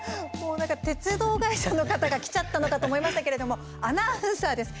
鉄道会社の方が来ちゃったのかと思いましたけれどもアナウンサーです。